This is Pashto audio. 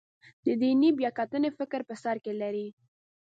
دیني بیاکتنې فکر په سر کې لري.